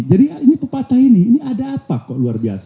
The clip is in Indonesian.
jadi pepatah ini ada apa kok luar biasa